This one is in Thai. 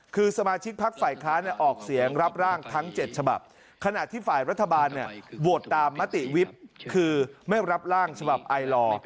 คือสมาชิกพักฝ่ายค้าออกเสียงรับร่างทั้ง๗ฉบับขณะที่ฝ่ายรัฐบาลเนี่ยโหวตตามมติวิบคือไม่รับร่างฉบับไอลอร์